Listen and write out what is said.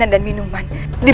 kalian berjumpa tidur